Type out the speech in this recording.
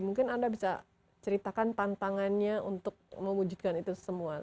mungkin anda bisa ceritakan tantangannya untuk mewujudkan itu semua